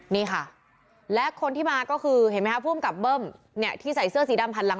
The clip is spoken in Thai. นี่ค่ะและคนที่มาก็คือเห็นมั้ยครับผู้อำกับเบิ้มที่ใส่เสื้อสีดำผัดหลัง